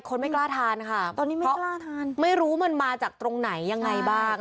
ไม่กล้าทานค่ะตอนนี้ไม่กล้าทานไม่รู้มันมาจากตรงไหนยังไงบ้าง